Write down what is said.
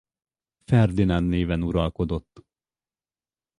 Ferdinánd néven uralkodott.